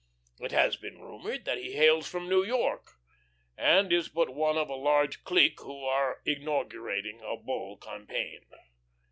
It has been rumoured that he hails from New York, and is but one of a large clique who are inaugurating a Bull campaign.